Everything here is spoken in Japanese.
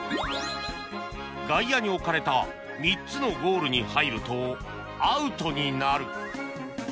外野に置かれた３つのゴールに入るとアウトになる